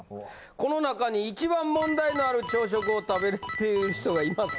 この中に一番問題のある朝食を食べている人がいます。